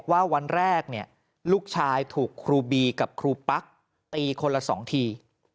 วันแรกลูกชายถูกครูบีกับครูปั๊กตีคนละ๒ที